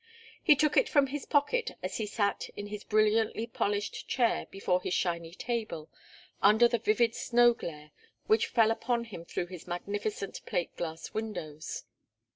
He took it from his pocket as he sat in his brilliantly polished chair before his shiny table, under the vivid snow glare which fell upon him through his magnificent plate glass windows.